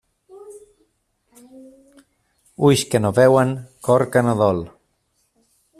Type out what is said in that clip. Ulls que no veuen, cor que no dol.